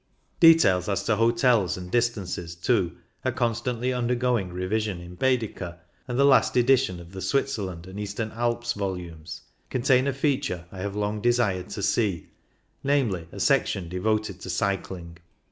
Details as to hotels and distances, too, are con stantly undergoing revision in Baedeker, and the last edition of the Switzerland and Eastern Alps volumes contain a feature I have long desired to see, namely, a section devoted to cycling.